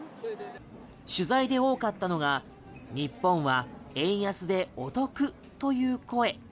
取材で多かったのが日本は円安でお得という声。